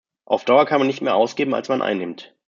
Auf Dauer kann man nicht mehr ausgeben, als man einnimmt.